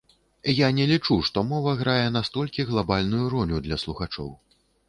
Я не лічу, што мова грае настолькі глабальную ролю для слухачоў.